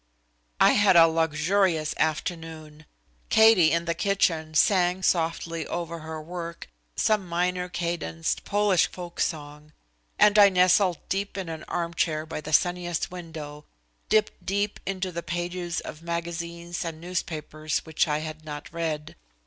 I had a luxurious afternoon. Katie in the kitchen sang softly over her work some minor cadenced Polish folk song, and I nestled deep in an armchair by the sunniest window, dipped deep into the pages of magazines and newspapers which I had not read.